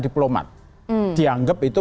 diplomat dianggap itu